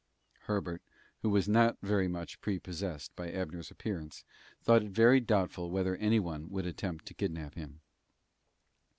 Herbert, who was not very much prepossessed by Abner's appearance, thought it very doubtful whether any one would ever attempt to kidnap him.